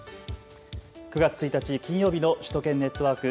９月１日金曜日の首都圏ネットワーク。